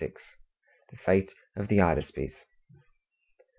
THE FATE OF THE "HYDASPES".